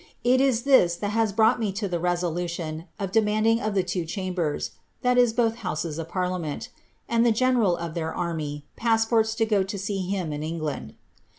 It is this that has brought me to the resolution of demanding of the two chambers (both houia of p§rlm ment) and the general of their army, passports to go to see him in England.